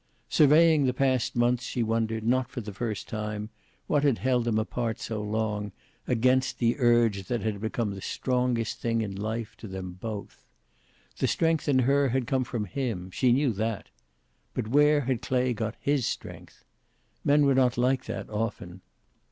Surveying the past months she wondered, not for the first time, what had held them apart so long, against the urge that had become the strongest thing in life to them both. The strength in her had come from him. She knew that. But where had Clay got his strength? Men were not like that, often.